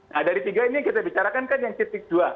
nah dari tiga ini yang kita bicarakan kan yang titik dua